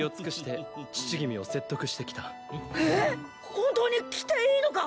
本当に着ていいのか！？